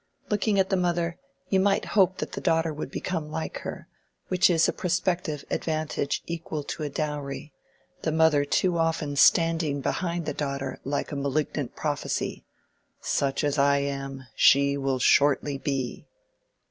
Looking at the mother, you might hope that the daughter would become like her, which is a prospective advantage equal to a dowry—the mother too often standing behind the daughter like a malignant prophecy—"Such as I am, she will shortly be."